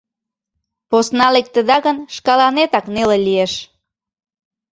Посна лектыда гын, шкаланетак неле лиеш.